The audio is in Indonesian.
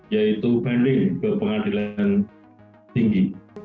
yaitu banding ke pengadilan tinggi